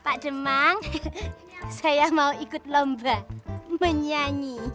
pak demang saya mau ikut lomba menyanyi